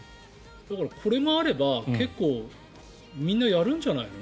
これがあれば結構みんなやるんじゃないの？